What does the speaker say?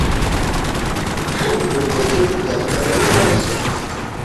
wo kugogora ibyokurya bitamerera neza umubiri.